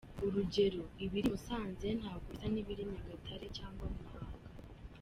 Urugero ibiri Musanze ntabwo bisa n’ibiri Nyagatare cyangwa Muhanga.